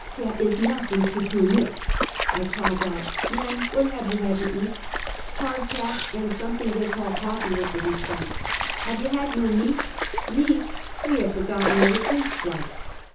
Tere ish notting to do mit!" I called out: " Men, what have you had to eat?" " Hard tack, and something they call coffee," was the response. " Have you had no meat? "" Meat? We have forgotten what it tastes like!